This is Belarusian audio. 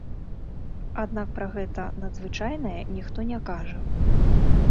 Аднак пра гэта надзвычайнае ніхто не кажа.